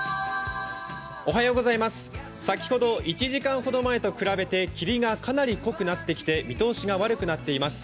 先ほど１時間ほど前と比べて霧がかなり濃くなってきていて見通しが悪くなっています。